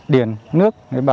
điền nước bàn ghế tú ẩn